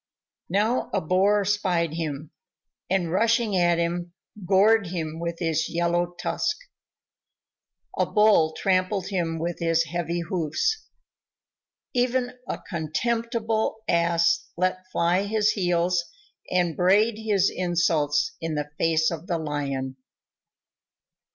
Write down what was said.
Now a Boar spied him, and rushing at him, gored him with his yellow tusk. A Bull trampled him with his heavy hoofs. Even a contemptible Ass let fly his heels and brayed his insults in the face of the Lion.